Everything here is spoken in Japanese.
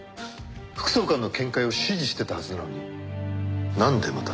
副総監の見解を支持してたはずなのになんでまた？